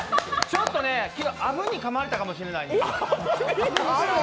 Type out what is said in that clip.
ちょっとね、昨日、アブにかまれたかもしれないです。